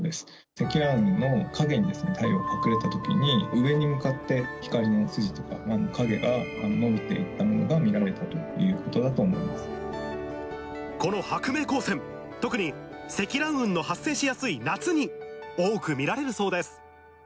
積乱雲のかげに太陽隠れたときに、上に向かって光の筋とか影が延びていったのが見られたということこの薄明光線、特に積乱雲の発生しやすい夏に多く見られるそうです。